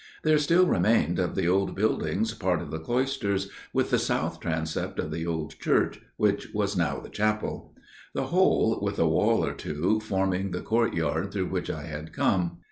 There still remained of the old buildings part of the cloisters, with the south transept of the old church, which was now the chapel; the whole, with a wall or two, forming the courtyard through which I had come.